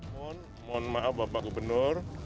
mohon maaf bapak gubernur